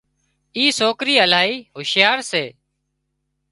اي سوڪري الاهي هُوشيار سي